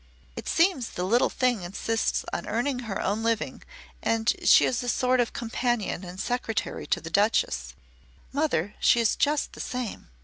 It seems the little thing insists on earning her own living and she is a sort of companion and secretary to the Duchess. Mother, she is just the same!"